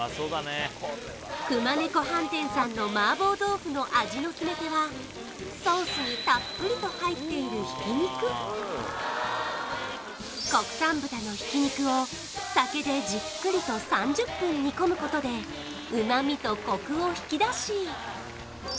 熊猫飯店さんの麻婆豆腐の味の決め手はソースにたっぷりと入っている国産豚の挽き肉を酒でじっくりと３０分煮込むことで旨みとコクを引き出し